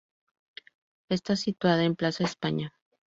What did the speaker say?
Está situada en Plaza España.